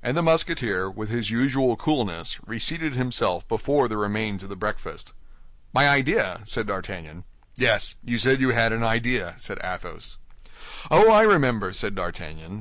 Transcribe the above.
And the Musketeer, with his usual coolness, reseated himself before the remains of the breakfast. "My idea?" said D'Artagnan. "Yes; you said you had an idea," said Athos. "Oh, I remember," said D'Artagnan.